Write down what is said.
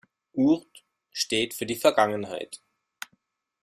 Urd steht für die Vergangenheit.